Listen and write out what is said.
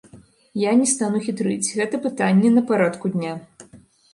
Я не стану хітрыць, гэта пытанне на парадку дня.